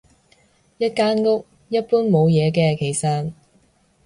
一間屋，一般冇嘢嘅其實